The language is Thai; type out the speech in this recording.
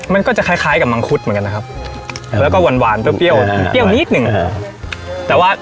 มันก็จะคล้ายคล้ายกับมังคุดเหมือนกันนะครับแล้วก็หวานหวานแล้วเปรี้ยวเปรี้ยวนิดหนึ่งอ่า